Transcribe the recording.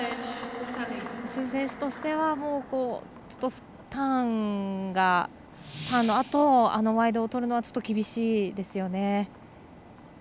朱選手としてはターンのあとワイドをとるのはちょっと厳しいですよね。